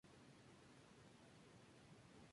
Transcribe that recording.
Van Hermann.